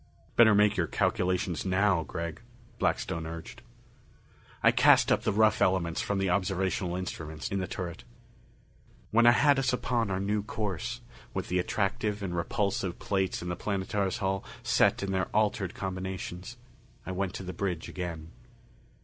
"Better make your calculations now, Gregg," Blackstone urged. I cast up the rough elements from the observational instruments in the turret. When I had us upon our new course, with the attractive and repulsive plates in the Planetara's hull set in their altered combinations, I went to the bridge again.